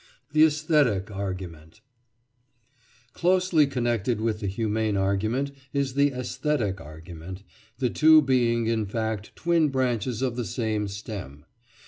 THE ÆSTHETIC ARGUMENT Closely connected with the humane argument is the æsthetic argument, the two being, in fact, twin branches of the same stem.